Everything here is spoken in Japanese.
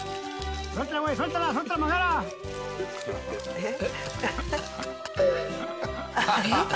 えっ？